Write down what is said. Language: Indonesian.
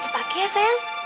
pakai ya sayang